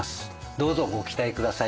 どうぞご期待ください。